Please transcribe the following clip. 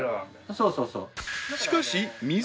そうそうそう。